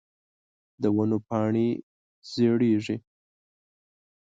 د ونو پاڼی زیړیږې